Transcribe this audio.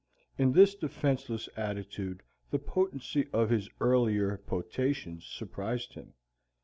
In this defenceless attitude the potency of his earlier potations surprised him.